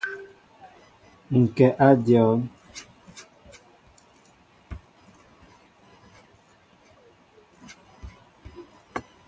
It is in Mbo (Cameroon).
Ŋ kɛ a dion.